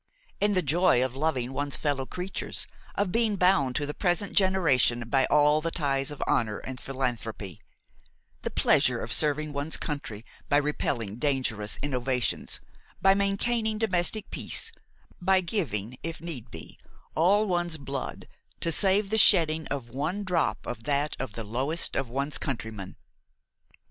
And the joy of loving one's fellow creatures, of being bound to the present generation by all the ties of honor and philanthropy; the pleasure of serving one's country by repelling dangerous innovations, by maintaining domestic peace, by giving, if need be, all one's blood to save the shedding of one drop of that of the lowest of one's countrymen!